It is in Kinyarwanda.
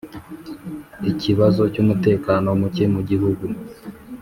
ikibazo cy'umutekano muke mu gihugu.